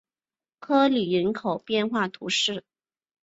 科吕人口变化图示